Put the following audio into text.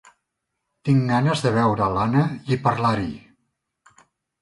Tinc ganes de veure l'Anna i parlar-hi.